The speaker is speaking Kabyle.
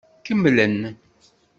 Kemmlen.